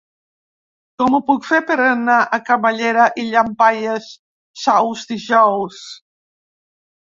Com ho puc fer per anar a Camallera i Llampaies Saus dijous?